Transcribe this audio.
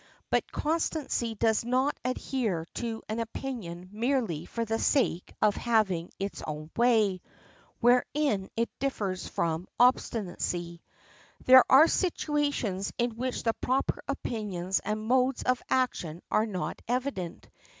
But constancy does not adhere to an opinion merely for the sake of having its own way, wherein it differs from obstinacy. There are situations in which the proper opinions and modes of action are not evident.